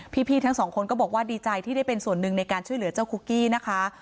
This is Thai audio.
พี่ทั้งสองคนก็บอกว่าดีใจที่ได้เป็นส่วนหนึ่งในการช่วยเหลือเจ้าคุกกี้นะคะ